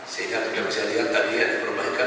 sehingga sudah bisa dilihat tadi yang diperbaikan